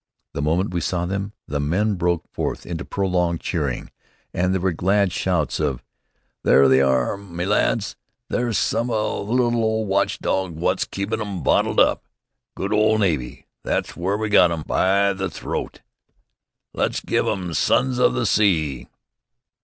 The moment they saw them the men broke forth into prolonged cheering, and there were glad shouts of "There they are, me lads! There's some o' the little old watch dogs wot's keepin' 'em bottled up!" "Good old navy! That's w'ere we got 'em by the throat!" "Let's give 'em 'Sons of the Sea!'"